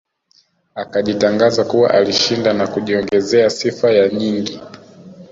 Akajitangaza kuwa alishinda na kujiongezea sifa ya nyingi